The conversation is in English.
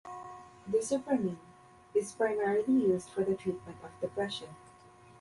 Desipramine is primarily used for the treatment of depression.